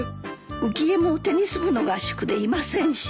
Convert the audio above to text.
浮江もテニス部の合宿でいませんし。